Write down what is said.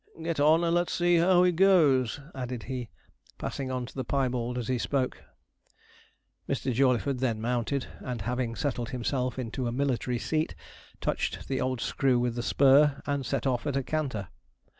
'Get on, and let's see how he goes,' added he, passing on to the piebald as he spoke. Mr. Jawleyford then mounted; and having settled himself into a military seat, touched the old screw with the spur, and set off at a canter.